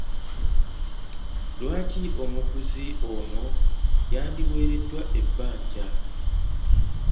Lwaki omuguzi ono yandiweereddwa ebbanja?